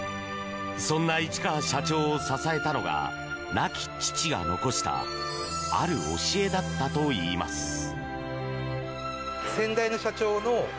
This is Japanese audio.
そんな市川社長を支えたのが亡き父が残したある教えだったといいます。